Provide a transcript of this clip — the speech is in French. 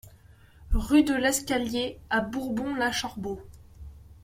Rue de l'Escalier à Bourbon-l'Archambault